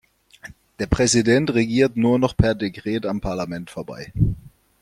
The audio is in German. Der Präsident regiert nur noch per Dekret am Parlament vorbei.